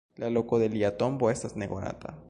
La loko de lia tombo estas nekonata.